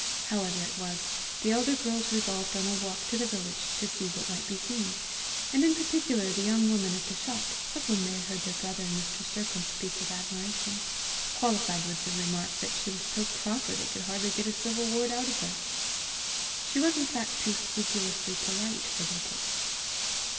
However it was, the elder girls resolved on a walk to the village, to see what might be seen, and in particular the young woman at the shop, of whom they had heard their brother and Mr. Sercombe speak with admiration, qualified with the remark that she was so proper they could hardly get a civil word out of her. She was in fact too scrupulously polite for their taste.